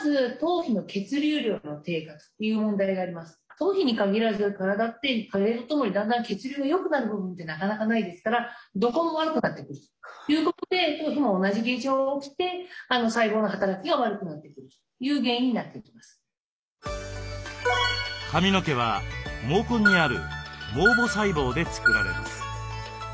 頭皮に限らず体って加齢とともにだんだん血流がよくなる部分ってなかなかないですからどこも悪くなってくるということで頭皮も同じ現象が起きて髪の毛は毛根にある毛母細胞で作られます。